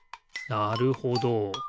なるほど。